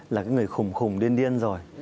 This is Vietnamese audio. là cái người khùng khùng điên điên rồi